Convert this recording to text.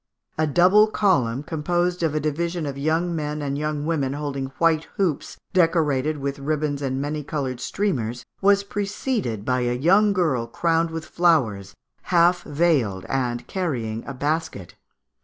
A double column, composed of a division of young men and young women holding white hoops decorated with ribbons and many coloured streamers, was preceded by a young girl crowned with flowers, half veiled, and carrying a basket.